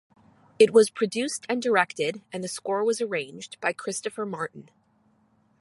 It was produced and directed, and the score was arranged, by Christopher Martin.